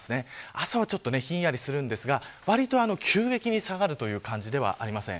朝はひんやりするんですがわりと急激に下がるという感じではありません。